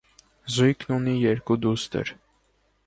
Զույգն ունի երկու դուստր։